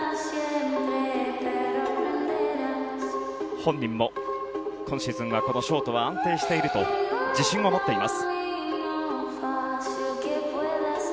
本人も今シーズンはこのショートは安定していると自信を持っています。